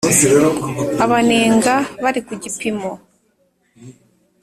Abanenga bari ku gipimo